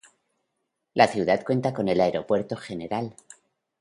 La ciudad cuenta con el Aeropuerto Gral.